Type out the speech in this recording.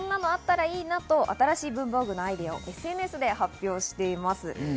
趣味でこんなのあったらいいなと新しい文房具のアイデアをＳＮＳで発表しています。